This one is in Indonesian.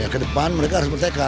ke depan mereka harus bertekad